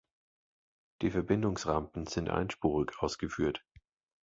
Die Verbindungsrampen sind einspurig ausgeführt.